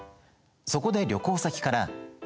そこで旅行先から。